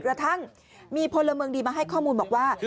กระทั่งมีพลเมืองดีมาให้ข้อมูลบอกว่า